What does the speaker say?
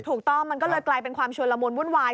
ถูกต้องมันก็เลยกลายเป็นความชวนละมุนวุ่นวาย